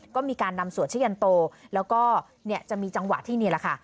ก็มีการนำสวดชะยันโตแล้วก็เนี่ยจะมีจังหวะที่นี่แหละค่ะ